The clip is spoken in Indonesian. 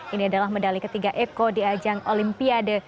ini adalah medali ketiga eko di ajang olimpiade